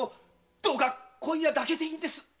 どうか今夜だけでいいんです。